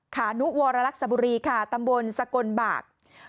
ขานุวรรลักษบุรีค่ะตำบลสกลบาก